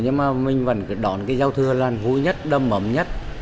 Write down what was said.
nhưng mà mình vẫn đoán cái giao thưa là hữu nhất đâm ẩm nhất